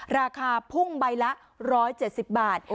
ราคาพุ่งใบละ๑๗๐บาท